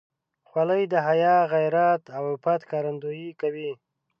خولۍ د حیا، غیرت او عفت ښکارندویي کوي.